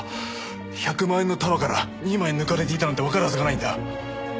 １００万円の束から２枚抜かれていたなんてわかるはずがないんだ。